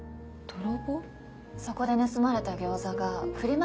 そこで盗まれた餃子がフリマ